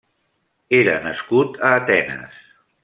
Era nascut a Atenes.